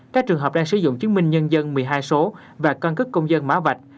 các trường hợp đang sử dụng chứng minh nhân dân một mươi hai số và cân cước công dân mã vạch